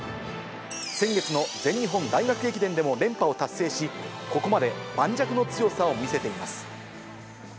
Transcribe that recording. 先月の全日本大学駅伝でも連覇を達成し、ここまで盤石の強さを見せています。